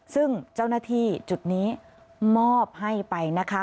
ซึ่งเจ้าหน้าที่จุดนี้มอบให้ไปนะคะ